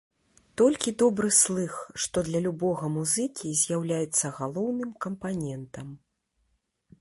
Толькі добры слых, што для любога музыкі з'яўляецца галоўным кампанентам.